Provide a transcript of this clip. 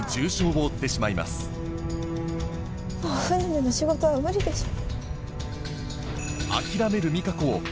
もう船での仕事は無理でしょ。